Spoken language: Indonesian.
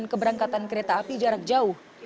tiga puluh sembilan keberangkatan kereta api jarak jauh